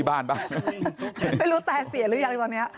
มันแปะตายเสียหรือยังครับตอนนี้